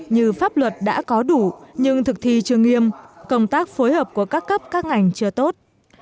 như pháp luật đã có đủ nhưng thực thi chưa nghiêm công tác phối hợp của các cấp các ngành chưa tốt